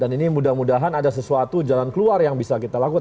jadi kita sudah mudah mudahan ada sesuatu jalan keluar yang bisa kita lakukan